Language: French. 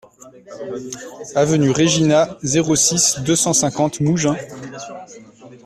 Avenue Regina, zéro six, deux cent cinquante Mougins